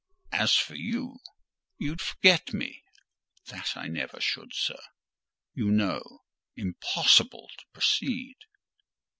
As for you,—you'd forget me." "That I never should, sir: you know—" Impossible to proceed.